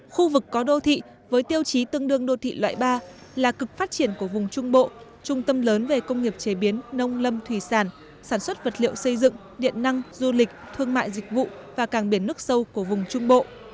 khu vực có đô thị với tiêu chí tương đương đô thị loại ba là cực phát triển của vùng trung bộ trung tâm lớn về công nghiệp chế biến nông lâm thủy sản sản xuất vật liệu xây dựng điện năng du lịch thương mại dịch vụ và cảng biển nước sâu của vùng trung bộ